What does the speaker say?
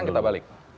sekarang kita balik